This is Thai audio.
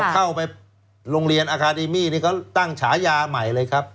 เข้าไปโรงเรียนอาคาเดมี่นี่เขาตั้งฉายาใหม่เลยครับ